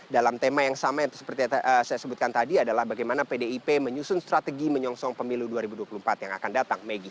dalam tema yang sama seperti yang saya sebutkan tadi adalah bagaimana pdip menyusun strategi menyongsong pemilu dua ribu dua puluh empat yang akan datang